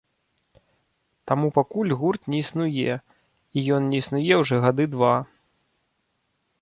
Таму пакуль гурт не існуе, і ён не існуе ўжо гады два.